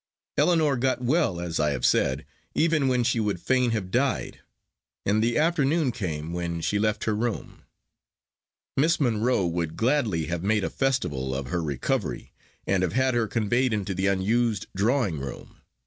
Ellinor got well, as I have said, even when she would fain have died. And the afternoon came when she left her room. Miss Monro would gladly have made a festival of her recovery, and have had her conveyed into the unused drawing room.